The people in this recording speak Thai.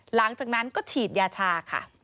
หลังจากนั้นก็ฉีดยาชาค่ะ